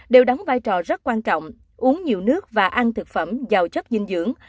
đều đóng vai trò rất quan trọng uống nhiều nước và ăn thực phẩm giàu chất dinh dưỡng